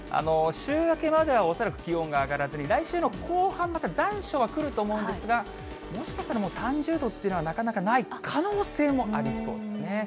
週明けまでは恐らく気温が上がらずに、来週の後半、また残暑は来ると思うんですが、もしかしたらもう３０度っていうのはなかなかない可能性もありそうですね。